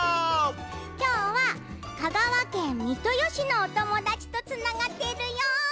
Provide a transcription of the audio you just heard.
きょうは香川県三豊市のおともだちとつながってるよ！